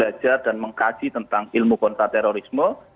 belajar dan mengkaji tentang ilmu kontraterorisme